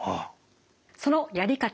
そのやり方